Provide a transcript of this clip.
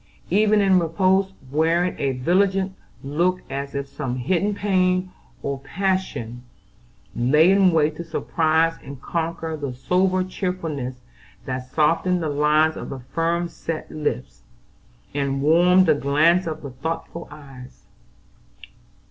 Even in repose wearing a vigilant look as if some hidden pain or passion lay in wait to surprise and conquer the sober cheerfulness that softened the lines of the firm set lips, and warmed the glance of the thoughtful eyes.